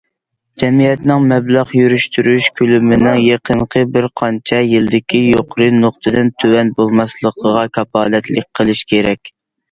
جەمئىيەتنىڭ مەبلەغ يۈرۈشتۈرۈش كۆلىمىنىڭ يېقىنقى بىرقانچە يىلدىكى يۇقىرى نۇقتىدىن تۆۋەن بولماسلىقىغا كاپالەتلىك قىلىش كېرەك.